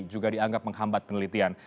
juga dianggap menghambat penelitian